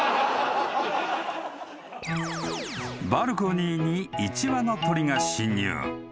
［バルコニーに１羽の鳥が侵入］